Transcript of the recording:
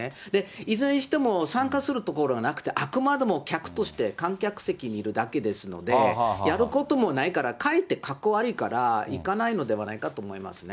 いずれにしても参加するところはなくて、あくまでも客として、観客席にいるだけですので、やることもないから、かえって格好悪いから、行かないのではないかと思いますね。